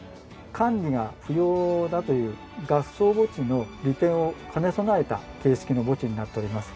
管理が不要だという合葬墓地の利点を兼ね備えた形式の墓地になっております。